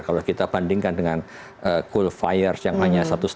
kalau kita bandingkan dengan coal fire yang hanya satu lima juta dollar